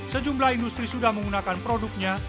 sejumlah industri sudah menggunakan produknya